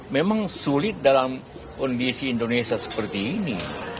memang sulit dalam kondisi indonesia seperti ini